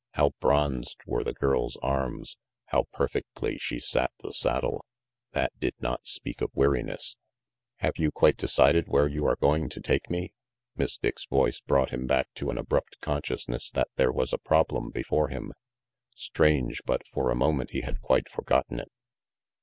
How bronzed were the girl's arms; how perfectly she sat the saddle. That did not speak of weariness. RANGY PETE 353 "Have you quite decided where you are going to take me?" Miss Dick's voice brought him back to an abrupt consciousness that there was a problem before him. Strange; but for a moment he had quite forgotten it.